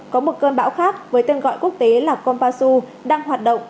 có một cơn bão khác với tên gọi quốc tế là kompasu đang hoạt động